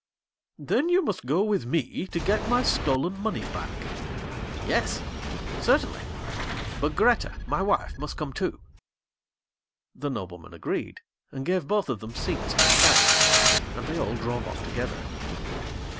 'Then you must go with me to get my stolen money back.' 'Yes, certainly; but Grethe, my wife, must come too.' The nobleman agreed, and gave both of them seats in his carriage, and they all drove off together.